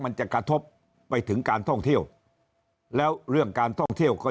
มันจะกระทบไปถึงการท่องเที่ยวแล้วเรื่องการท่องเที่ยวก็